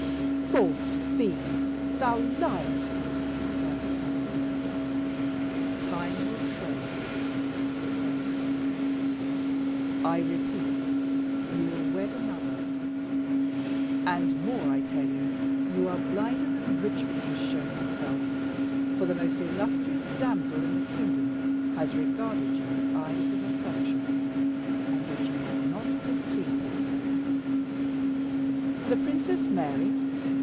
"False fiend, thou liest!" cried Surrey. "Time will show," replied Herne. "I repeat, you will wed another and more, I tell you, you are blinder than Richmond has shown himself for the most illustrious damsel in the kingdom has regarded you with eyes of affection, and yet you have not perceived it." "The Princess Mary?"